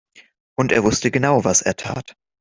Und er wusste genau, was er tat.